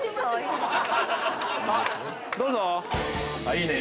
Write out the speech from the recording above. いいね。